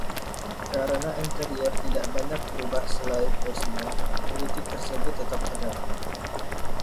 Karena interior tidak banyak berubah selain kursinya, kritik tersebut tetap ada.